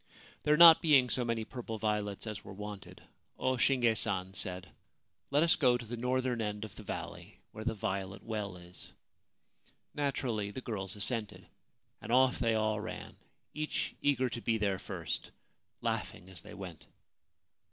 There not being so many purple violets as were wanted, O Shinge San said, * Let us go to the northern end of the valley, where the Violet Well is.' Naturally the girls assented, and ofF they all ran, each eager to be there first, laughing as they went.